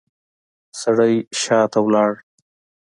سړی شاته لاړ.